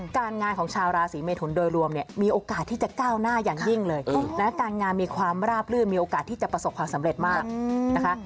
การงานของชาวราศีเมทุนโดยรวมเนี่ยมีโอกาสที่จะก้าวหน้าอย่างยิ่งเลยนะการงานมีความราบลื่นมีโอกาสที่จะประสบความสำเร็จมากนะคะ